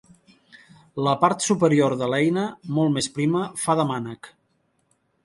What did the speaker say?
La part superior de l'eina, molt més prima, fa de mànec.